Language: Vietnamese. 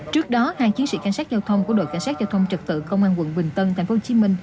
trước đó hai chiến sĩ canh sát giao thông của đội canh sát giao thông trực tự công an quận bình tân tp hcm